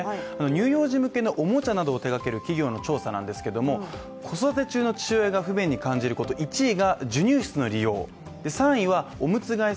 乳幼児向けのおもちゃなどを手がける企業の調査なんですけども、子育て中の父親が不便に感じること１位が、授乳室の利用で３位はオムツ替え